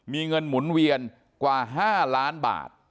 มีเงินหมุนเวียนกว่า๕ล้านบาท